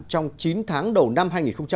trong chín tháng đầu năm hai nghìn một mươi tám